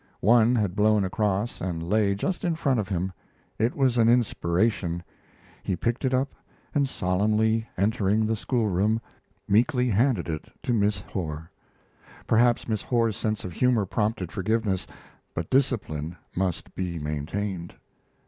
One had blown across and lay just in front of him. It was an inspiration. He picked it up and, solemnly entering the school room, meekly handed it to Miss Herr. Perhaps Miss Horr's sense of humor prompted forgiveness, but discipline must be maintained.